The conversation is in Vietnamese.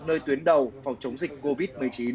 nơi tuyến đầu phòng chống dịch covid một mươi chín